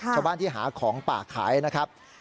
ชาวบ้านที่หาของป่าขายนะครับ